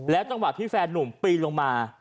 จังหวะที่แฟนนุ่มปีนลงมา